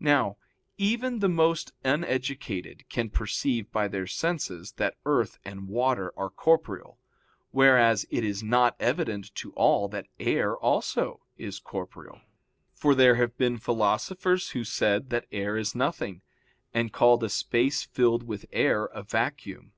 Now even the most uneducated can perceive by their senses that earth and water are corporeal, whereas it is not evident to all that air also is corporeal, for there have even been philosophers who said that air is nothing, and called a space filled with air a vacuum.